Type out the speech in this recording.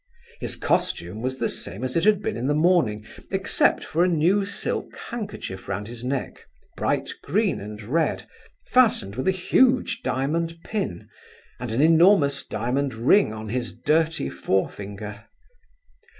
His costume was the same as it had been in the morning, except for a new silk handkerchief round his neck, bright green and red, fastened with a huge diamond pin, and an enormous diamond ring on his dirty forefinger.